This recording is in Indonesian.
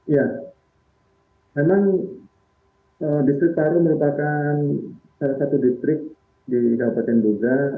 ya memang distrik paru merupakan salah satu distrik di kabupaten duga